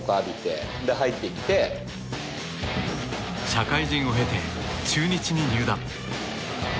社会人を経て中日に入団。